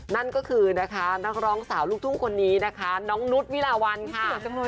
นั่นก็คือนะคะนักร้องสาวลูกทุ่งคนนี้นะคะน้องนุษย์วิลาวันค่ะ